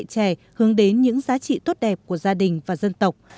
uống nước nhớ nguồn giáo dục thế hệ trẻ hướng đến những giá trị tốt đẹp của gia đình và dân tộc